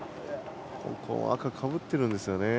ここは赤がかぶっているんですよね。